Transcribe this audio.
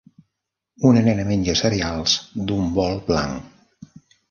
Una nena menja cereals d'un bol blanc.